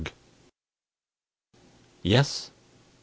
YES?